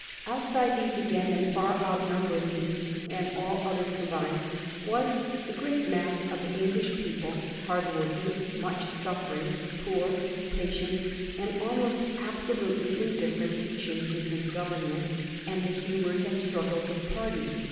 Outside these again, and far outnumbering these and all others combined, was the great mass of the English people — ^hard working, much suffering, poor, patient, and almost absolutely indifferent to changes in Govern ments and the humours and struggles of parties.